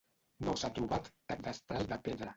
No s'ha trobat cap destral de pedra.